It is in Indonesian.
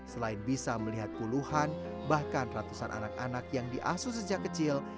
selain bisa melihat puluhan bahkan ratusan anak anak yang diasuh sejak kecil